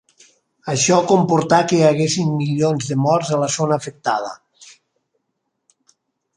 Això comportà que hi haguessin milions de morts a la zona afectada.